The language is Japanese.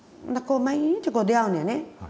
毎日こう出会うねんね。